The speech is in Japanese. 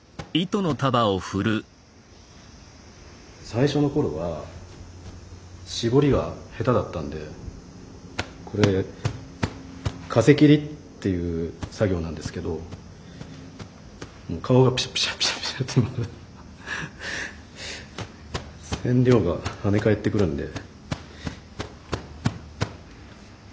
最初の頃は絞りが下手だったんでこれ「風切り」っていう作業なんですけどもう顔がピシャピシャピシャピシャって染料がはね返ってくるんで。